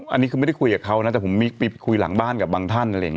อันนี้คือไม่ได้คุยกับเขานะแต่ผมมีคุยหลังบ้านกับบางท่าน